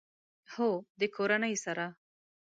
هو، د کورنۍ سره